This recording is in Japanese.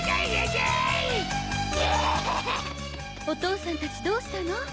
お父さん達どうしたの？